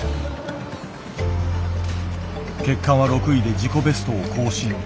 結果は６位で自己ベストを更新。